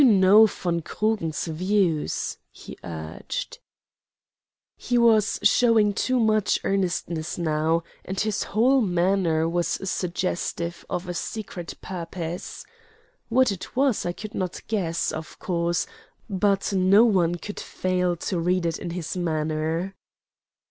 "You know von Krugen's views," he urged. He was showing too much earnestness now, and his whole manner was suggestive of a secret purpose. What it was I could not guess, of course; but no one could fail to read it in his manner.